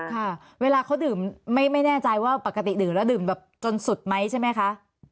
ค่ะเวลาเขาดื่มไม่แน่ใจว่าปกติดื่มแล้วดื่มแบบจนสุดไหมใช่ไหมคะ